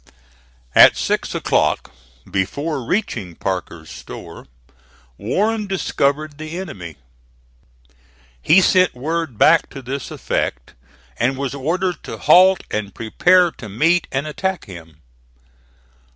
At six o'clock, before reaching Parker's store, Warren discovered the enemy. He sent word back to this effect, and was ordered to halt and prepare to meet and attack him.